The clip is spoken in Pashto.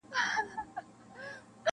هم یې غزل خوږ دی هم ټپه یې نازنینه ده,